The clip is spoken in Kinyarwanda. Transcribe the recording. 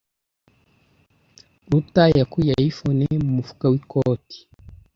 Ruta yakuye iphone ye mu mufuka w'ikoti.